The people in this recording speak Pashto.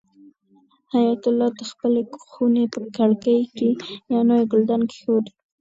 حیات الله د خپلې خونې په کړکۍ کې یو نوی ګلدان کېښود.